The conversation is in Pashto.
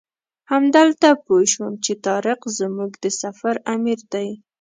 همدلته پوی شوم چې طارق زموږ د سفر امیر دی.